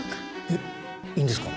えっいいんですか？